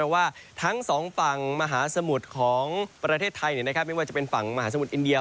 ว่าทั้งสองฝั่งมหาสมุทรของประเทศไทยไม่ว่าจะเป็นฝั่งมหาสมุทรอินเดีย